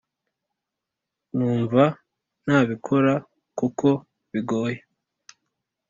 Numva ntabikora kuko bigoye